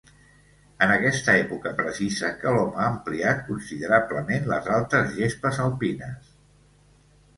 És en aquesta època precisa que l'home ha ampliat considerablement les altes gespes alpines.